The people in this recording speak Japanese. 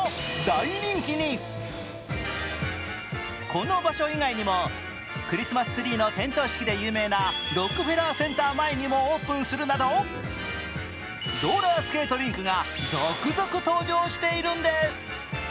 この場所以外にもクリスマスツリーの点灯式で有名なロックフェラーセンター前にもオープンするなどローラースケートリンクが続々登場しているんです。